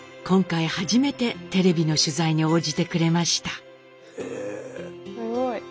今回初めてテレビの取材に応じてくれました。